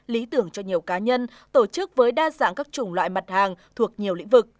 lý tưởng cho nhiều cá nhân tổ chức với đa dạng các chủng loại mặt hàng thuộc nhiều lĩnh vực